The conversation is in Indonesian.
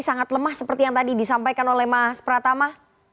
sangat lemah seperti yang tadi disampaikan oleh mas pratama